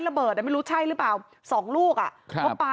ระเบิดแต่ไม่รู้ใช่หรือเปล่าสองลูกอ่ะครับก็ปา